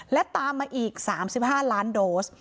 และตามมาอีก๓๕ล้านโดส